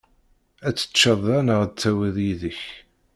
Ad teččeḍ da neɣ ad tawiḍ yid-k?